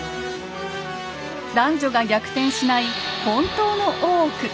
男女が逆転しない本当の大奥。